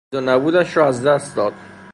بود و نبودش را از دست داد.